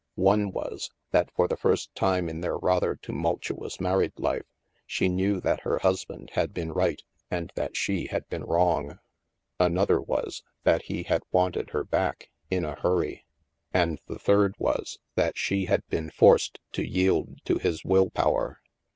One was, that for the first time in their rather tumultuous married life, she knew that her husband had been right and that she had been wrong. THE MAELSTROM 267 Another was, that he had wanted her back, in a hurry. And the third was, that she had been forced to yield to his will power.